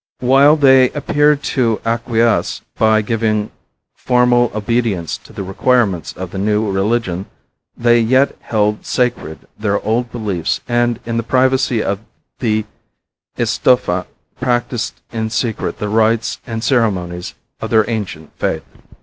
While they appeared to acquiesce, by giving formal obedience to the requirements of the new religion, they yet held sacred their old beliefs and in the privacy of the estufa practiced in secret the rites and ceremonies of their ancient faith.